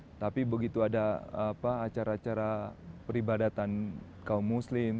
tetapi begitu ada acara acara peribadatan kaum muslim